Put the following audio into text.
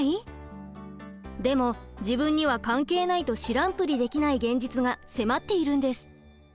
でも自分には関係ないと知らんぷりできない現実が迫っているんです。